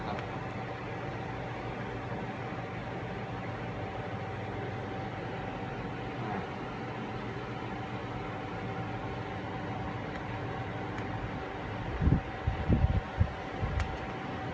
ขอบคุณครับ